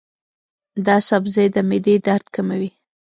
دا سبزی د معدې درد کموي.